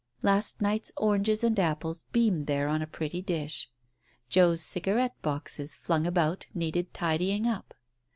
Last night's oranges and apples beamed there on a pretty dish. Joe's cigarette boxes, flung about, needed tidying up.